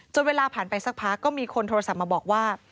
เวลาผ่านไปสักพักก็มีคนโทรศัพท์มาบอกว่า